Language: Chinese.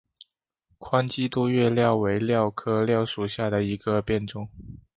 宽基多叶蓼为蓼科蓼属下的一个变种。